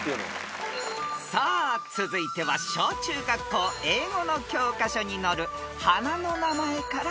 ［さあ続いては小中学校英語の教科書に載る花の名前から問題］